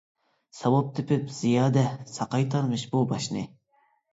ساۋاپ تېپىپ زىيادە، ساقايتارمىش بۇ باشنى.